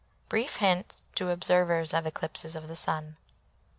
BRIEF HINTS TO OBSERVERS OF ECLIPSES OF THE SUN.